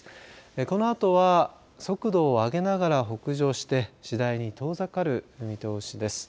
このあとは速度を上げながら北上して次第に遠ざかる見通しです。